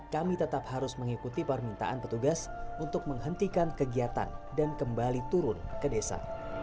kami tetap harus mengikuti permintaan petugas untuk menghentikan kegiatan dan kembali turun ke desa